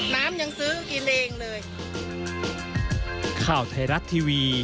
น้ำยังซื้อกินเองเลย